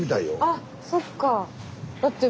あそっか。